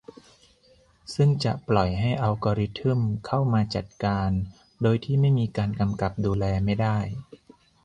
ซึ่งจะปล่อยให้อัลกอริทึมเข้ามาจัดการโดยที่ไม่มีการกำกับดูแลไม่ได้